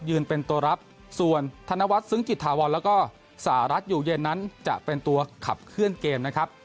เป็นตัวรับส่วนธนวัฒนซึ้งจิตถาวรแล้วก็สหรัฐอยู่เย็นนั้นจะเป็นตัวขับเคลื่อนเกมนะครับ